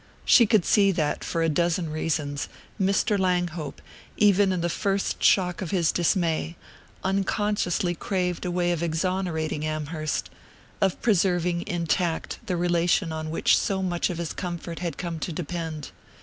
She could see that, for a dozen reasons, Mr. Langhope, even in the first shock of his dismay, unconsciously craved a way of exonerating Amherst, of preserving intact the relation on which so much of his comfort had come to depend.